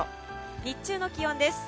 日中の気温です。